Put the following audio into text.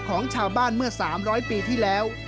ของชาวบ้านเมื่อ๓๐๐ปีที่แล้ว